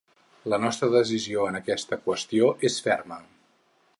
La nostra decisió en aquesta qüestió és ferma.